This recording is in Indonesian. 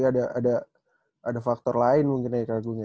jadi ada faktor lain mungkin ya kak agung ya